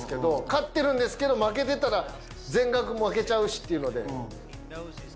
勝ってるんですけど負けてたら全額負けちゃうしっていうので。